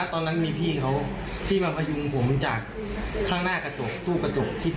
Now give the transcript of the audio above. ก็ผมอยากกอดพี่เขาแล้วก็อยากบอกว่าพี่